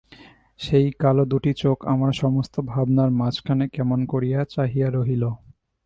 সেই কালো দুটি চোখ আমার সমস্ত ভাবনার মাঝখানে কেমন করিয়া চাহিয়া রহিল।